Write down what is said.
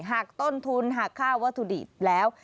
หากต้นทุนหักค่าวัตถุดิบแล้ว